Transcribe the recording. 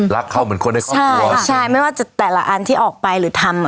รักเขาเหมือนคนในครอบครัวใช่ไม่ว่าจะแต่ละอันที่ออกไปหรือทำอ่ะ